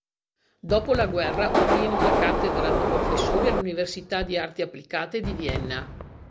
Dopo la guerra ottiene una cattedra di professore all'Università di arti applicate di Vienna.